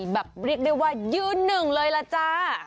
แบบเรียกได้ว่ายืนหนึ่งเลยล่ะจ้า